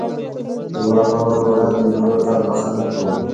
د دعا کولو وړاندې نورو ته بښنه کوه.